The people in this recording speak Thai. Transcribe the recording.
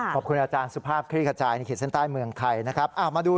ขอบคุณอาจารย์สภาพเครียดกระจายในเขตเส้นใต้เมืองไข่นะครับ